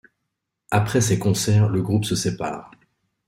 Après ces concerts, le groupe se sépare.